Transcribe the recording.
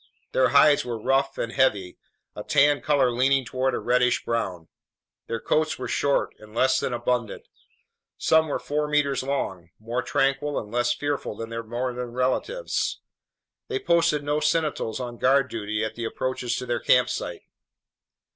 Their hides were rough and heavy, a tan color leaning toward a reddish brown; their coats were short and less than abundant. Some were four meters long. More tranquil and less fearful than their northern relatives, they posted no sentinels on guard duty at the approaches to their campsite.